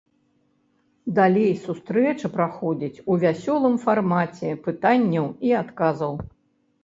Далей сустрэча праходзіць у вясёлым фармаце пытанняў і адказаў.